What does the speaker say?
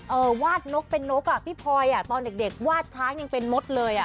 วาดนกเป็นนกอ่ะพี่พลอยอ่ะตอนเด็กเด็กวาดช้างยังเป็นมดเลยอ่ะ